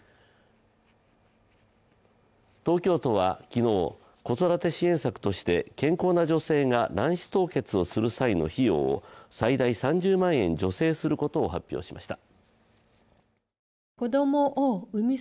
東京都は昨日、子育て支援策として健康な女性が卵子凍結をする際の費用を最大３０万円助成することを発表しました。